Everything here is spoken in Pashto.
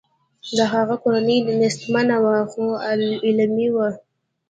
د هغه کورنۍ نیستمنه وه خو علمي وه